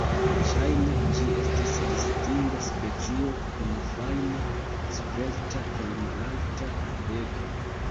Ŝajne ĝi estis distinga specio, kun fajna, svelta kaj malalta beko.